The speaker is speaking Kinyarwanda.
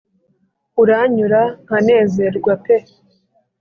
uranyura nkanezerwa pe